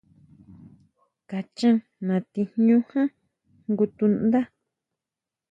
Kachá natí jñú ján jngu tundá.